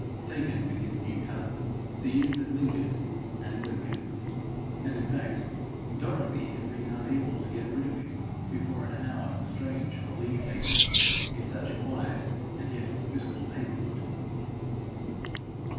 Taken with his new cousin, the youth had lingered and lingered; and in fact Dorothy had been unable to get rid of him before an hour strange for leave taking in such a quiet and yet hospitable neighbourhood.